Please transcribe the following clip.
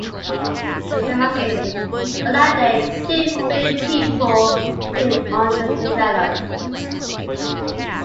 Esteva stated: On that day two billion people became underdeveloped.